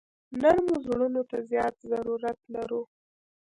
نرمو زړونو ته زیات ضرورت لرو.